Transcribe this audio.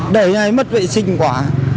đời này mất vệ sinh quá